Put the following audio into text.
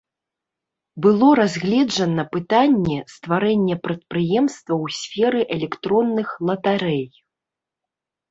Было разгледжана пытанне стварэння прадпрыемства ў сферы электронных латарэй.